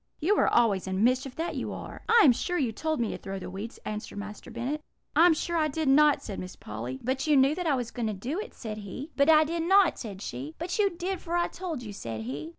You are always in mischief, that you are.' "'I am sure you told me to throw the weeds,' answered Master Bennet. "'I am sure I did not,' said Miss Polly. "'But you knew that I was going to do it,' said he. "'But I did not,' said she. "'But you did, for I told you,' said he.